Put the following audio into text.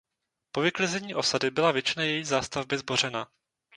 Po vyklizení osady byla většina její zástavby zbořena.